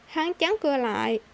hắn chắn cưa lại